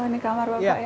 oh ini kamar bapak ya